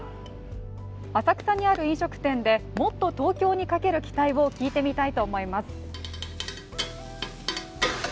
浅草にある飲食店で、もっとＴｏｋｙｏにかける期待を聞いてみたいと思います。